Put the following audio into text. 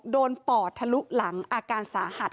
ปอดทะลุหลังอาการสาหัส